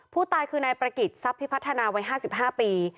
ผู้ตายคือในประกิจทรัพย์ที่พัฒนาไว้๕๕ปี